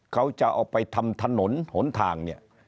เขาจะเอาไปทำถนนหนทางเนี่ย